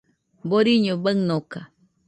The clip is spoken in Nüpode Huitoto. Boriño baɨnoka